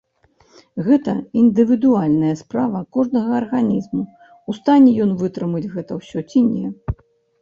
Гэта індывідуальная справа кожнага арганізму, у стане ён вытрымаць гэта ўсё ці не.